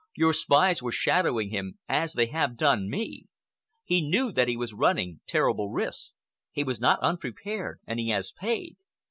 Your spies were shadowing him as they have done me. He knew that he was running terrible risks. He was not unprepared and he has paid.